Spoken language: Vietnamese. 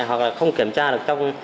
hoặc là không kiểm tra được